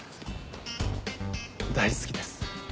大好きです。